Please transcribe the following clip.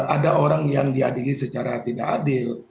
ada orang yang diadili secara tidak adil